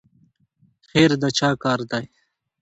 خیر د چا کار دی؟